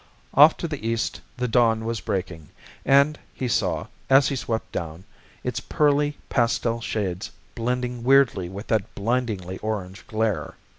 Off to the east the dawn was breaking, and he saw, as he swept down, its pearly pastel shades blending weirdly with that blinding orange glare.